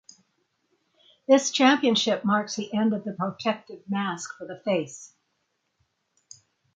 This championship marks the end of the protective mask for the face.